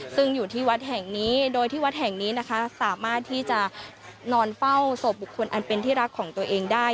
ซึ่งอยู่ที่วัดแห่งนี้โดยที่วัดแห่งนี้นะคะสามารถที่จะนอนเฝ้าศพบุคคลอันเป็นที่รักของตัวเองได้